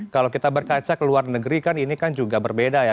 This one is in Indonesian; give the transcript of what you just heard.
kalau kita berkaca ke luar negeri kan ini kan juga berbeda ya